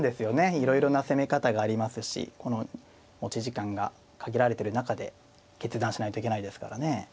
いろいろな攻め方がありますしこの持ち時間が限られてる中で決断しないといけないですからね。